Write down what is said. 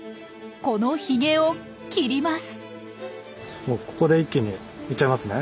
このヒゲを切ります。